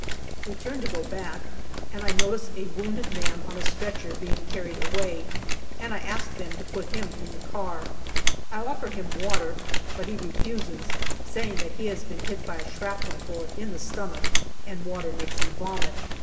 We turn to go back, and I 208 GALLIPOLI DIARY notice a wounded man on a stretcher being carried away, and I ask them to put him in the car. I offer him water, but he refuses, saying that he has been hit by a shrapnel bullet in the stomach, and water makes him vomit.